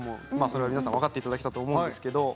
それは皆さん分かっていただけたと思うんです。